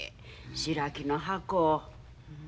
白木の箱を。